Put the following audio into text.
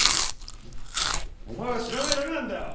お前は知らないだけなんだよ！